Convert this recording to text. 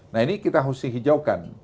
nah ini kita harus hijaukan